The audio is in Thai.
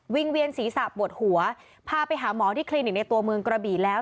เวียนศีรษะปวดหัวพาไปหาหมอที่คลินิกในตัวเมืองกระบี่แล้ว